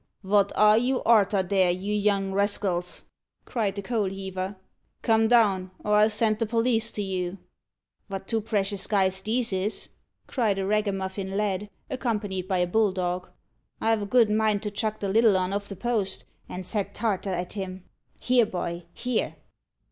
"Wot are you arter there, you young rascals?" cried the coalheaver; "come down, or I'll send the perlice to you." "Wot two precious guys these is!" cried a ragamuffin lad, accompanied by a bulldog. "I've a good mind to chuck the little 'un off the post, and set Tartar at him. Here, boy, here!"